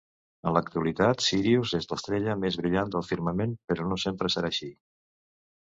En l'actualitat, Sírius és l'estrella més brillant del firmament, però no sempre serà així.